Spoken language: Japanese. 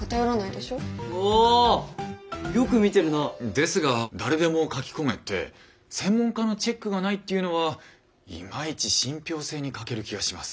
ですが誰でも書き込めて専門家のチェックがないっていうのはいまいち信ぴょう性に欠ける気がします。